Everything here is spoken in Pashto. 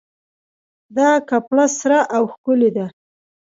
دا کپړه سره او ښکلې ده